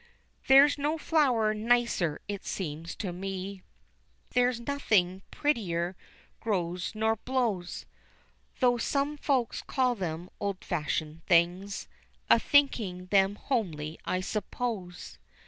There's no flower nicer it seems to me, There's nothin' prettier grows nor blows, Though some folks call them old fashioned things, A thinkin' them homely I suppose.